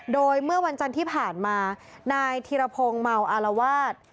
โดยเมื่อวันจันทร์ที่ผ่านมานายธีรพงศ์เมาอารวาส